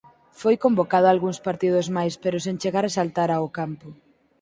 Foi convocado a algúns partidos máis pero sen chegar a saltar ao campo.